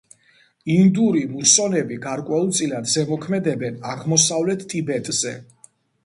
ინდური მუსონები გარკვეულწილად ზემოქმედებენ აღმოსავლეთ ტიბეტზე.